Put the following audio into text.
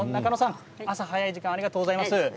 朝早い時間ありがとうございます。